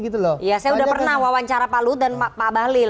saya sudah pernah wawancara pak luhut dan pak bahlil